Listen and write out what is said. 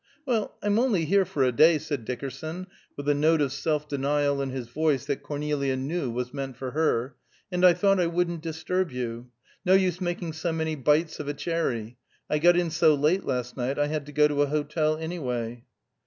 "Well, I'm only here for a day," said Dickerson, with a note of self denial in his voice that Cornelia knew was meant for her, "and I thought I wouldn't disturb you. No use making so many bites of a cherry. I got in so late last night I had to go to a hotel anyway."